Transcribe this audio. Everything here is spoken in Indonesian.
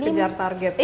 harus kejar target ya